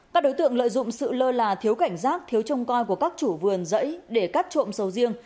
các đối tượng lợi dụng sự lơ là thiếu cảnh giác thiếu trông coi của các chủ vườn dẫy để cắt trộm sầu riêng